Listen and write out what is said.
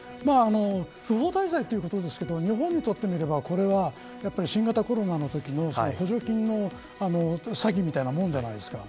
不法滞在ということですけど日本にとってみればこれは新型コロナのときの補助金の詐欺みたいなものじゃないですか。